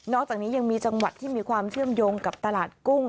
อกจากนี้ยังมีจังหวัดที่มีความเชื่อมโยงกับตลาดกุ้ง